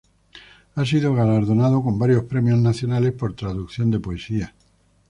Ha sido galardonado con varios premios nacionales por traducción de poesía.